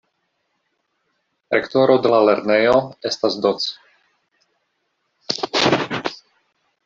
Rektoro de la lernejo estas Doc.